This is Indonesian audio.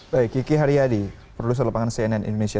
baik kiki haryadi produser lapangan cnn indonesia